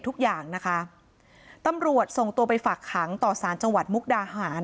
ทุกอย่างนะคะตำรวจส่งตัวไปฝากขังต่อสารจังหวัดมุกดาหาร